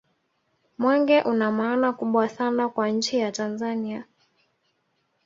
mwenge una maana kubwa sana kwa nchi ya tanzania